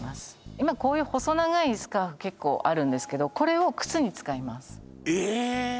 今こういう細長いスカーフ結構あるんですけどこれを靴に使いますえーっ！？